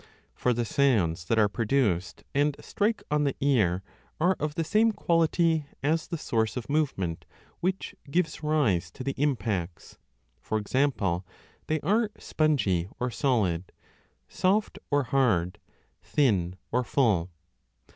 For the sounds that are pro duced and strike on the ear are of the same quality as the source of movement which gives rise to the impacts ; for example, they are spongy or solid, soft or hard, thin or full.